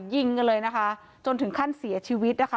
ยิงกันเลยนะคะจนถึงขั้นเสียชีวิตนะคะ